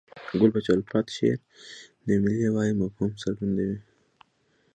ګل پاچا الفت شعر د ملي یووالي مفهوم څرګندوي.